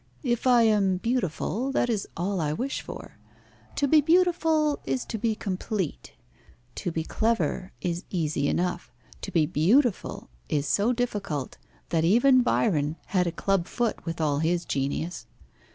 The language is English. If I am beautiful, that is all I wish for. To be beautiful is to be complete. To be clever is easy enough. To be beautiful is so difficult, that even Byron had a club foot with all his genius.